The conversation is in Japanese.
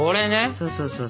そうそうそう。